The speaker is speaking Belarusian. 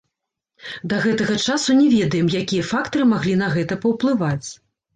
Да гэтага часу не ведаем, якія фактары маглі на гэта паўплываць.